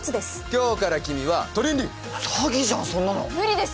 今日から君はトリンリン詐欺じゃんそんなの無理です